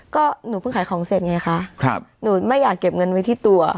ก็หนูเพิ่งขายของเสร็จไงคะครับหนูไม่อยากเก็บเงินไว้ที่ตัว